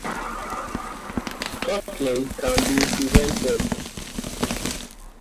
Turtling can be prevented.